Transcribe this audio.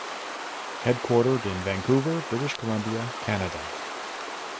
Headquartered in Vancouver, British Columbia, Canada.